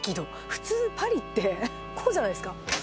普通、パリって、こうじゃないですか？